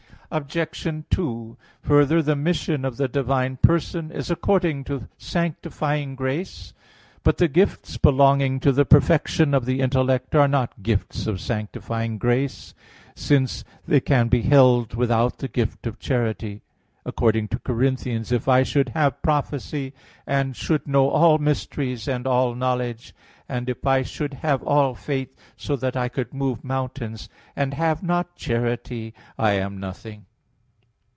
Obj. 2: Further, the mission of the divine person is according to sanctifying grace. But the gifts belonging to the perfection of the intellect are not gifts of sanctifying grace, since they can be held without the gift of charity, according to 1 Cor. 13:2: "If I should have prophecy, and should know all mysteries, and all knowledge, and if I should have all faith so that I could move mountains, and have not charity, I am nothing."